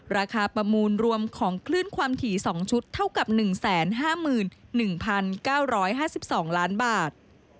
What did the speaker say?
ประมูลรวมของคลื่นความถี่๒ชุดเท่ากับ๑๕๑๙๕๒ล้านบาท